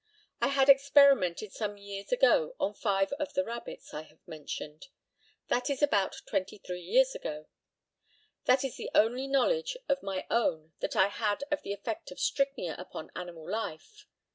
I had experimented some years ago on five of the rabbits I have mentioned; that is about twenty three years ago. That is the only knowledge of my own that I had of the effect of strychnia upon animal life.